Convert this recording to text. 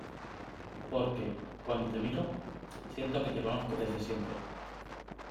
porque, cuando te miro, siento que te conozco desde siempre.